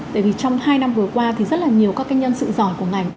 tại vì trong hai năm vừa qua thì rất là nhiều các nhân sự giỏi của ngành